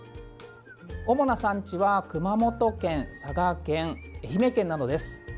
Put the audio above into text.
主な産地は、熊本県、佐賀県愛媛県などです。